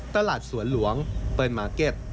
ตลาดสวนล้วงเฟิร์นมาร์เก็ต